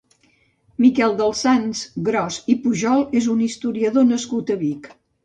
Miquel dels Sants Gros i Pujol és un historiador nascut a Vic.